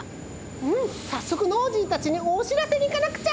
うんさっそくノージーたちにおしらせにいかなくちゃ！